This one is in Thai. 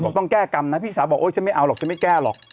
ต้องแก้กรรมนะพี่สาวบอกโอ๊ยฉันไม่เอาหรอกฉันไม่แก้หรอก